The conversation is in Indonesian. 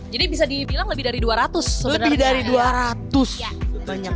jadi bisa dibilang lebih dari dua ratus sebenernya